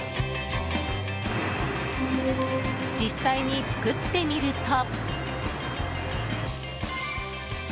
実際に作ってみると。